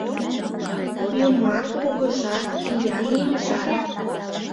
Юмат, кугыжат, виян еҥжат;